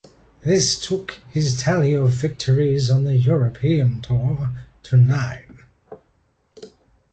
This took his tally of victories on the European Tour to nine.